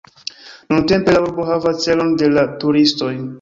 Nuntempe la urbo havas celon de la turistoj.